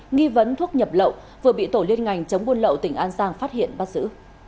nghi vấn thuốc nhập lậu vừa bị tổ liên ngành chống buôn lậu tỉnh an giang phát hiện bắt giữ